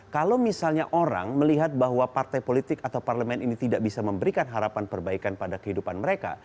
kalau misalnya orang melihat bahwa partai politik atau parlemen ini tidak bisa memberikan harapan perbaikan pada kehidupan mereka